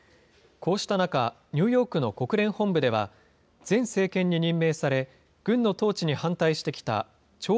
こうした中、ニューヨークの国連本部では、前政権に任命され、軍の統治に反対してきたチョー・